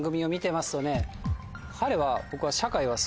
彼は。